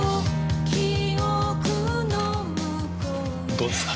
どうですか？